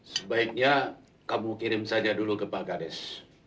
sebaiknya kamu kirim saja dulu ke pak gades